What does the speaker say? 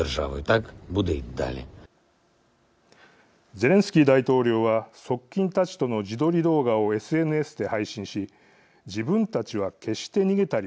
ゼレンスキー大統領は側近たちとの自撮り動画をＳＮＳで配信し自分たちは決して逃げたりはしない。